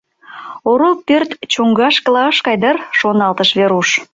«Орол пӧрт чоҥгашкыла ыш кай дыр?» — шоналтыш Веруш.